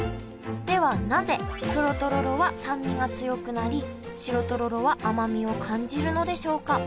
ではなぜ黒とろろは酸味が強くなり白とろろは甘みを感じるのでしょうか？